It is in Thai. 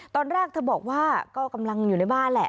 ตอนแรกเธอบอกว่าก็กำลังอยู่ในบ้านแหละ